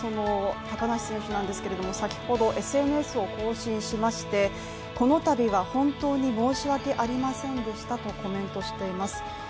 高梨沙羅選手なんですけど、先ほどＳＮＳを更新しましてこのたびは本当に申し訳ありませんでしたとコメントしています。